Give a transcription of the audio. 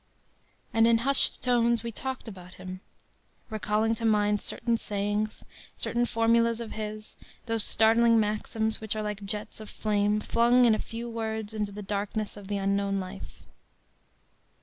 “And in hushed tones we talked about him, recalling to mind certain sayings, certain formulas of his, those startling maxims which are like jets of flame flung, in a few words, into the darkness of the Unknown Life.